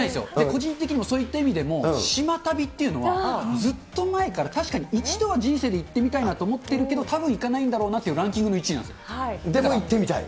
個人的にも、そういった意味でも、島旅っていうのは、ずっと前から、確かに一度は人生で行ってみたいなと思ってるけど、たぶん行かないんだろうなっていうランキングでも、行ってみたい？